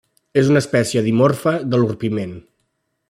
És una espècie dimorfa de l'orpiment.